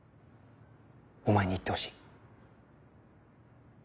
お前に行ってほしい。